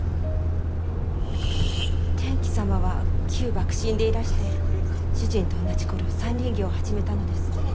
天鬼様は旧幕臣でいらして主人と同じ頃山林業を始めたのです。